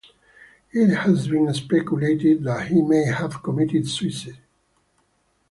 It has been speculated that he may have committed suicide.